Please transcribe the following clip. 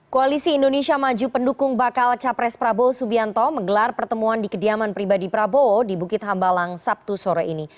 koalisi indonesia maju pendukung bakal capres prabowo subianto menggelar pertemuan di kediaman pribadi prabowo di bukit hambalang sabtu sore ini